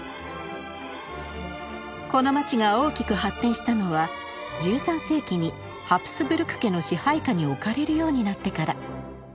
この街が大きく発展したのは１３世紀にハプスブルク家の支配下に置かれるようになってから。